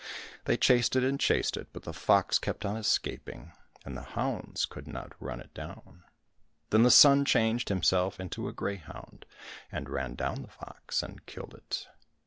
They chased it and chased it, but the fox kept on escaping, and the hounds could not run it down. Then the son changed himself into a greyhound, and ran down the fox and killed it.